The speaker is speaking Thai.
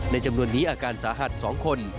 จำนวนนี้อาการสาหัส๒คน